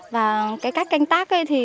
và các canh tác